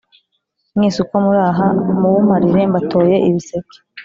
mwese uko muri aha muwumparire: mbatoye ibiseke!”